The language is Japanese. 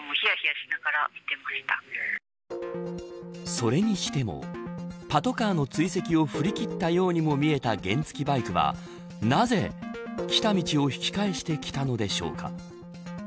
それにしても、パトカーの追跡を振り切ったようにも見えた原付バイクは、なぜ来た道を引き返してきたのでしょうか。